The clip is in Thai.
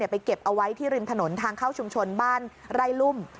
เก็บเอาไว้ที่ริมถนนทางเข้าชุมชนบ้านไร่รุ่ม